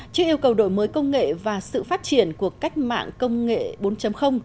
trước yêu cầu đổi mới công nghệ và sự phát triển của cách mạng công nghệ bốn